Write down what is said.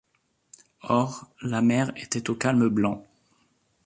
Or, la mer était au calme blanc.